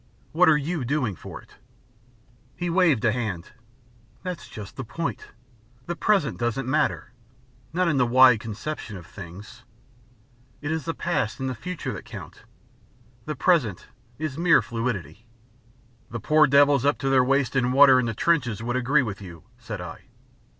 What are you doing for it?" He waved a hand. "That's just the point. The present doesn't matter not in the wide conception of things. It is the past and the future that count. The present is mere fluidity." "The poor devils up to their waists in water in the trenches would agree with you," said I.